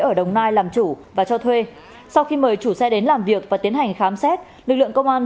ở đồng nai làm chủ và cho thuê sau khi mời chủ xe đến làm việc và tiến hành khám xét lực lượng công an